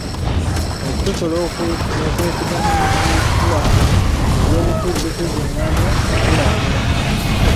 Okusosola okwesigamiziddwa ku byobufuzi kizingamya enkulaakulana.